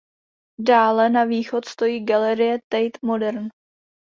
Dále na východ stojí galerie Tate Modern.